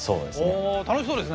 お楽しそうですね！